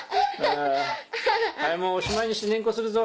はいもうおしまいにしてねんこするぞ。